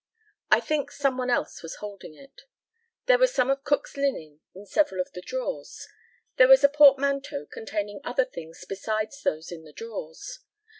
I think some one else was holding it. There was some of Cook's linen in several of the drawers. There was a portmanteau containing other things besides those in the drawers.